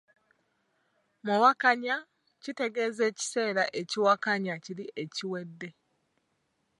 Muwakanya; kitegeeza ekiseera ekiwakanya kiri ekiwedde.